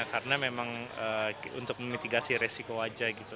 karena memang untuk memitigasi resiko aja gitu